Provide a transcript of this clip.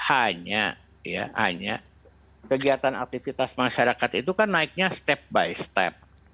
hanya ya hanya kegiatan aktivitas masyarakat itu kan naiknya step by step